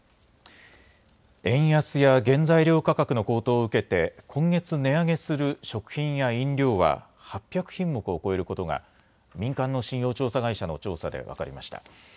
円安や原材料価格の高騰を受けて今月値上げする食品や飲料は８００品目を超えることが民間の信用調査会社の調査で分かりました。